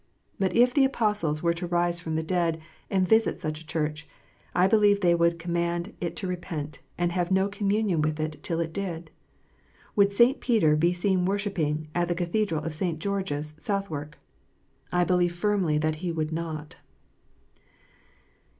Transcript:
But if the Apostles were to rise from the dead, and visit such a Church, I believe they would command it to repent, and have no communion with it till it did. Would St. Peter be seen worshipping at the Cathedral of St. George s, South vvark? I believe firmly that he would not.